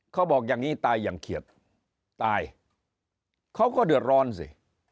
เขาบอกอย่างนี้ตายอย่างเขียดตายเขาก็เดือดร้อนสิ